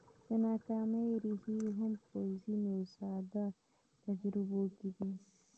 د ناکامۍ ريښې هم په ځينو ساده تجربو کې دي.